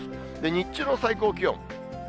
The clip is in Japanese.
日中の最高気温。